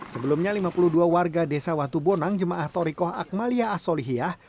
sebelumnya lima puluh dua warga desa watubonang jemaah torikoh akmalia asolihiyah